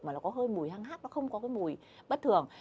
mà nó có hơi mùi hăng hát nó không có cái mùi bất thường